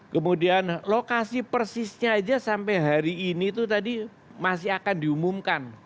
kemudian lokasi persisnya aja sampai hari ini itu tadi masih akan diumumkan